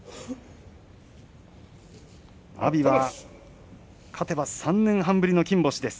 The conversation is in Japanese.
阿炎は勝てば３年半ぶりの金星。